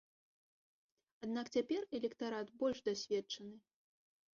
Аднак цяпер электарат больш дасведчаны.